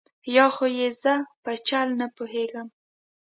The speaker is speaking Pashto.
یا خو یې زه په چل نه پوهېږم.